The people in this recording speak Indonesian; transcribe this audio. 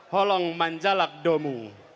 holong manjalak domo